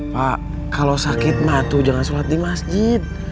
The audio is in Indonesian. pak kalau sakit batu jangan sholat di masjid